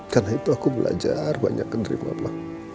karena itu aku belajar banyak keterima